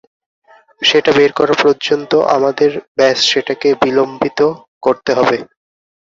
সেটা বের করা পর্যন্ত আমাদের ব্যস সেটাকে বিলম্বিত করতে হবে।